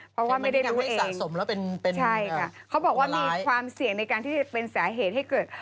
เพราะว่าไม่ได้รู้เองใช่ค่ะเขาบอกว่ามีความเสี่ยงในการที่เป็นสาเหตุให้เกิด